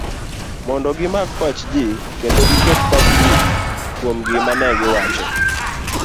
mondo gimak pachji, kendo giket pachgi kuom gima negiwacho